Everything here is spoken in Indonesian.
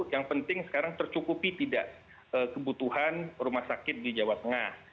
yang penting sekarang tercukupi tidak kebutuhan rumah sakit di jawa tengah